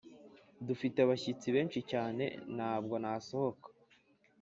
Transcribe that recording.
dufite abashyitsi beshi cyane ntabwo nasohoka